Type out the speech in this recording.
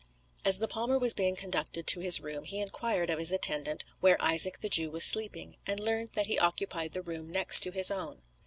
As the palmer was being conducted to his room he inquired of his attendant where Isaac the Jew was sleeping, and learned that he occupied the room next to his own.